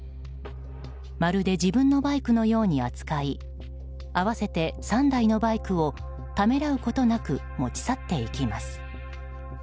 まるで自分のバイクのように扱い合わせて３台のバイクをためらうことなく持ち去っていきます。